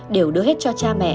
đều đưa hết cho cha mẹ